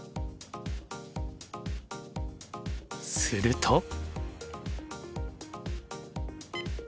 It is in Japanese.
すると。